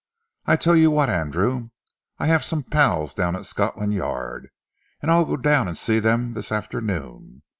"I tell you what, Andrew. I have some pals down at Scotland Yard, and I'll go down and see them this afternoon.